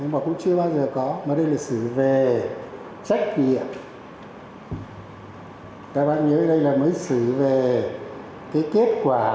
mà cũng chưa bao giờ có mà đây là xử về trách nhiệm các bạn nhớ đây là mới xử về cái kết quả